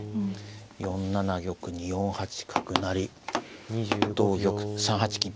４七玉に４八角成同玉３八金と。